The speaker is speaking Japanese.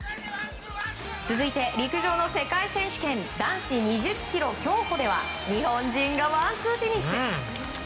続いて陸上の世界選手権男子２０ｋｍ競歩では日本人がワンツーフィニッシュ。